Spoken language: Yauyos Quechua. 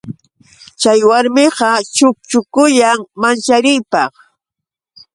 Chay warmiqa chukchukuyan manchariypaq.